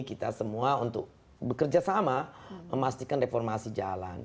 kita semua untuk bekerja sama memastikan reformasi jalan